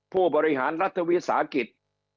ผู้บริหารรัฐวิสาหกิจ